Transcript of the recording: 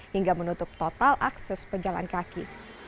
hingga menutup total akses pejalan kaki